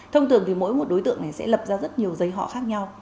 thông thường thì mỗi một đối tượng này sẽ lập ra rất nhiều giấy họ khác nhau